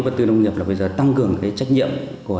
vật tư nông nghiệp là tăng cường trách nhiệm của